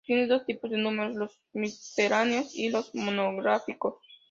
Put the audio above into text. Tiene dos tipos de números: los misceláneos y los monográficos.